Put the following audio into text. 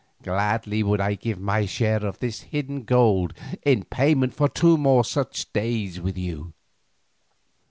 Gladly would I give my share of this hidden gold in payment for two more such days with you.